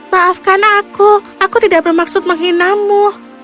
maafkan aku aku tidak bermaksud menghinamu